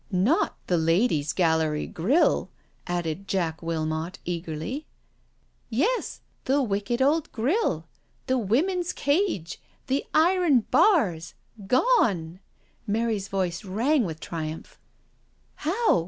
"Not the Ladies' Gallery grille?" asked Jack Wilmot eagerly. " Yes I The wicked old grille— the women's cage — the iron bars, gone I" Mary's voice rang with triumph. "How?